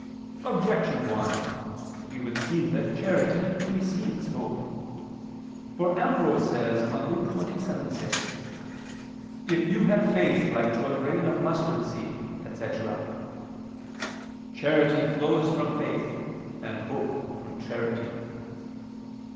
Objection 1: It would seem that charity precedes hope. For Ambrose says on Luke 27:6, "If you had faith like to a grain of mustard seed," etc.: "Charity flows from faith, and hope from charity."